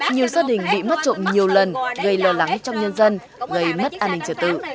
nhiều gia đình bị mất trộm nhiều lần gây lo lắng trong nhân dân gây mất an ninh trật tự